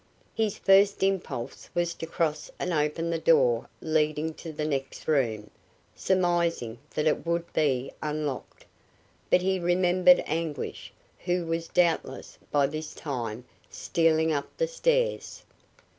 His first impulse was to cross and open the door leading to the next room, surmising that it would be unlocked, but he remembered Anguish, who was doubtless, by this time, stealing up the stairs.